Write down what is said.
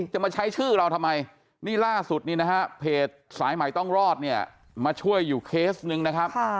จะมาใช้ชื่อเราทำไมนี่ล่าสุดนี่นะฮะเพจสายใหม่ต้องรอดเนี่ยมาช่วยอยู่เคสหนึ่งนะครับ